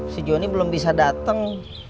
si joni belum bisa dateng